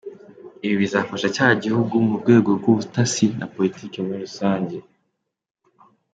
Ibi bizafasha cya gihugu mu rwego rw’ubutasi na Politke muri rusange.